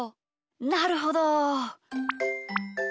なるほど！